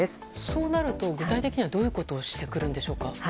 そうなると具体的にはどういうことをしてくるんでしょうか。